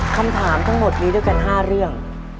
คำถามทั้งหมดมีด้วยกัน๕เรื่อง